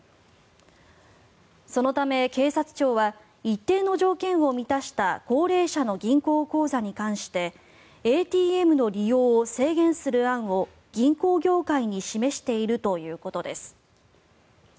そのため警察庁は一定の条件を満たした高齢者の銀行口座に関してＡＴＭの利用を制限する案を銀行業界に示しているということです。